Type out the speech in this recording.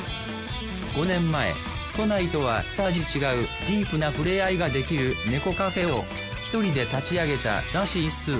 ５年前都内とは二味違うディープな触れ合いができる猫カフェを１人で立ち上げたらしいっす。